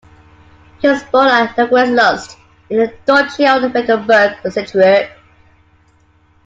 He was born at Ludwigslust in the Duchy of Mecklenburg-Schwerin.